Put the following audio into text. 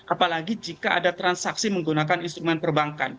apalagi jika ada transaksi menggunakan instrumen perbankan